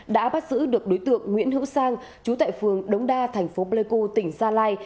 đã bắt giữ được đối tượng nguyễn hữu sang chú tại phường đống đa thành phố pleiku tỉnh gia lai